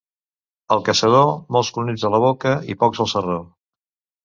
El caçador, molts conills a la boca i pocs al sarró.